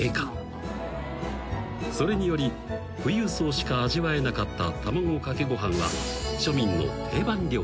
［それにより富裕層しか味わえなかった卵かけご飯は］